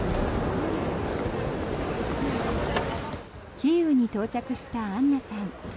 キーウに到着したアンナさん。